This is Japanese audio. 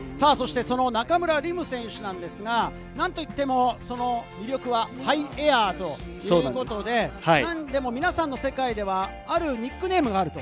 中村輪夢選手ですが、何といっても魅力はハイエアーということで、何でも皆さんの世界では、あるニックネームがあると。